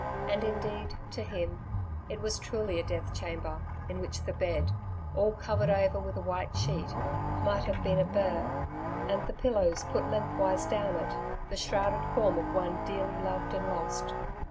And indeed, to him, it was truly a death chamber in which the bed, all covered over with a white sheet, might have been a bier, and the pillows put lengthwise down it, the shrouded form of one dearly loved and lost.